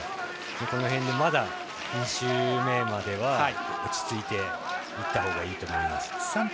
この辺にまだ２周目までは落ち着いていったほうがいいと思います。